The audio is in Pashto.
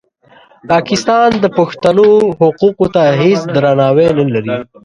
پاکستان د پښتنو حقوقو ته هېڅ درناوی نه لري.